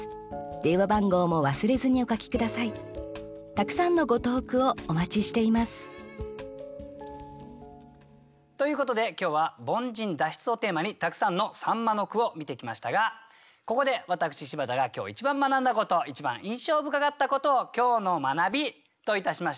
たくさんのご投句をお待ちしていますということで今日は「凡人脱出」をテーマにたくさんの秋刀魚の句を見てきましたがここで私柴田が今日一番学んだこと一番印象深かったことを「今日の学び」といたしまして